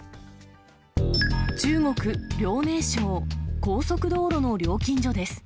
中国・遼寧省、高速道路の料金所です。